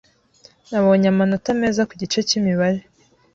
Nabonye amanota meza ku gice cyimibare.